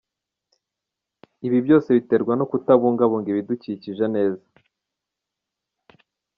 Ibi byose biterwa no kutabungabunga ibidukikije neza.